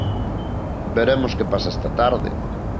Veremos que pasa esta tarde.